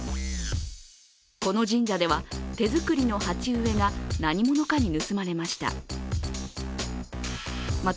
この神社では手作りの鉢植えが何者かに盗まれました。